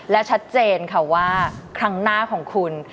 และชัดเจนค่ะว่าครั้งหน้าของคุณ